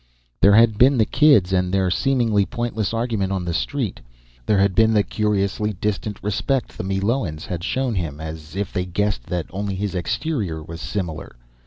There had been the kids and their seemingly pointless argument on the street. There had been the curiously distant respect the Meloans had shown him, as if they guessed that only his exterior was similar.